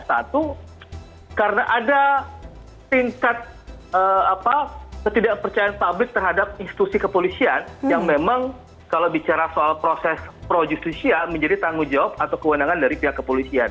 satu karena ada tingkat ketidakpercayaan publik terhadap institusi kepolisian yang memang kalau bicara soal proses pro justisia menjadi tanggung jawab atau kewenangan dari pihak kepolisian